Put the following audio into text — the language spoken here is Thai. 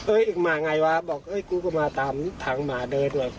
เอ้ยอีกหมาไงวะบอกกูก็มาตามทางหมาเดินมา